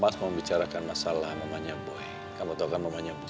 mas mau bicarakan masalah mamanya boy kamu tau kan mamanya boy